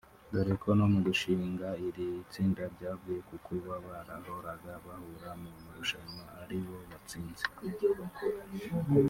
dore ko no mu gushinga iri tsinda byavuye ku kuba barahoraga bahura mu marushanwa ari bo batsinze